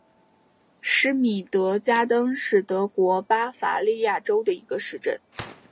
施米德加登是德国巴伐利亚州的一个市镇。